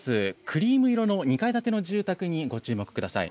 クリーム色の２階建ての住宅にご注目ください。